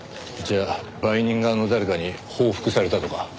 じゃあ売人側の誰かに報復されたとか。